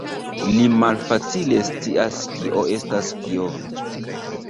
Li malfacile scias kio estas kio.